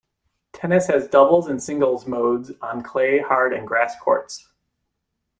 Tennis has doubles and singles modes on clay, hard and grass courts.